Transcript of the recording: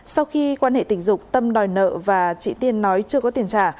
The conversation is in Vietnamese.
sau khi quan hệ tình dục tâm đòi nợ và chị tiên nói chưa có tiền trả